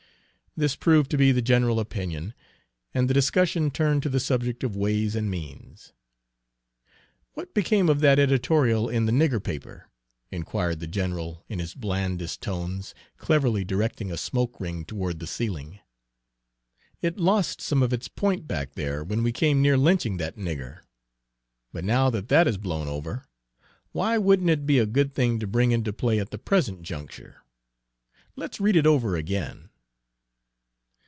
This proved to be the general opinion, and the discussion turned to the subject of ways and means. "What became of that editorial in the nigger paper?" inquired the general in his blandest tones, cleverly directing a smoke ring toward the ceiling. "It lost some of its point back there, when we came near lynching that nigger; but now that that has blown over, why wouldn't it be a good thing to bring into play at the present juncture? Let's read it over again."